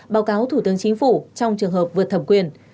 báo cáo thủ tướng chính phủ trong trường hợp vượt thẩm quyền